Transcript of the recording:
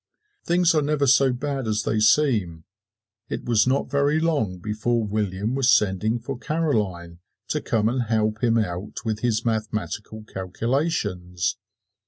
Things are never so bad as they seem. It was not very long before William was sending for Caroline to come and help him out with his mathematical calculations.